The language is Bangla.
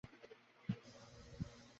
তোকে দশভরির হার গড়িয়ে দেব।